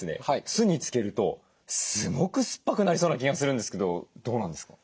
酢に漬けるとすごく酸っぱくなりそうな気がするんですけどどうなんですか？